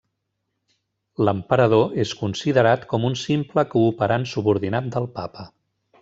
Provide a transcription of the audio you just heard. L'Emperador és considerat com un simple cooperant subordinat del Papa.